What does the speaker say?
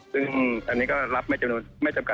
ซึ่งอันนี้ก็รับไม่จำกัดจำนวนนะครับ